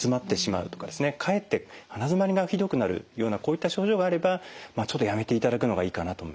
かえって鼻づまりがひどくなるようなこういった症状があればちょっとやめていただくのがいいかなと思います。